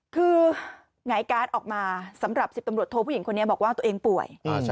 คือหงายการ์ดออกมาสำหรับ๑๐ตำรวจโทผู้หญิงคนนี้บอกว่าตัวเองป่วย